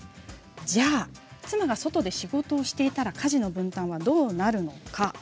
じゃあ妻が外で仕事をしていたら家事の分担はどうなるか。